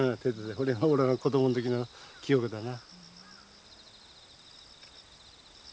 それがおらが子どもの時の記憶だな。